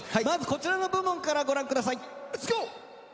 まずこちらの部門からご覧ください。